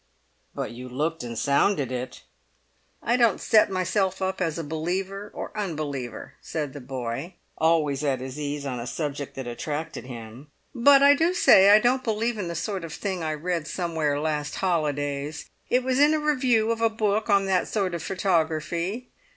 "But you looked and sounded it!" "I don't set myself up as a believer or unbeliever," said the boy, always at his ease on a subject that attracted him. "But I do say I don't believe in the sort of thing I read somewhere last holidays. It was in a review of a book on that sort of photography.